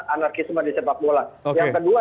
anarkisme di sepak bola yang kedua